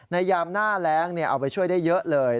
ยามหน้าแรงเอาไปช่วยได้เยอะเลย